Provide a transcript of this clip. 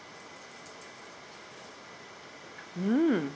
うん。